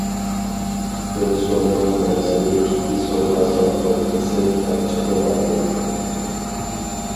بىر سوملۇق نەرسىنى ئىككى سومغا ساتتۇق دېسەك ئاچچىقلىناتتى.